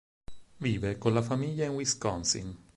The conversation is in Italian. Vive con la famiglia in Wisconsin.